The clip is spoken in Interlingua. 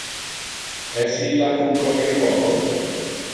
Es illac un coperifoco?